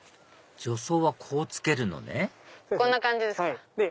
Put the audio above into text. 助走はこうつけるのねこんな感じですか。